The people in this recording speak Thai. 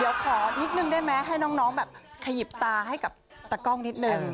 เดี๋ยวขอนิดนึงได้ไหมให้น้องแบบขยิบตาให้กับตะกล้องนิดนึง